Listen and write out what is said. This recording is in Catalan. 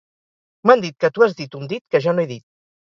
M’han dit que tu has dit un dit que jo no he dit.